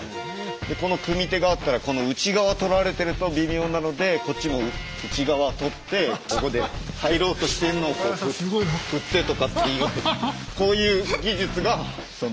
この組み手があったらこの内側取られてると微妙なのでこっちも内側取ってここで入ろうとしてんのを振ってとかっていうこういう技術がその。